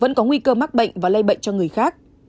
vẫn có nguy cơ mắc bệnh và lây bệnh cho người khác